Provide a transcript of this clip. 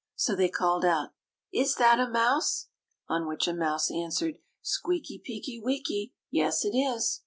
So they called out, "Is that a mouse?" On which a mouse answered, "Squeaky peeky weeky! yes, it is!"